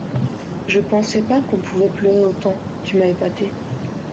Je pensais pas qu’on pouvait pleurer autant, tu m’as épatée.